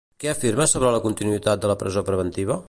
Què afirma sobre la continuïtat de la presó preventiva?